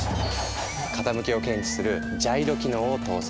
傾きを検知するジャイロ機能を搭載。